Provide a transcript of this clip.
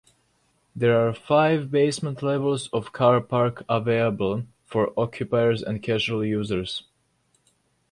There are five basement levels of car park available for occupiers and casual users.